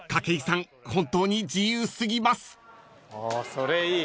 それいい。